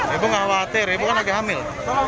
ibu khawatir ibu kan lagi hamil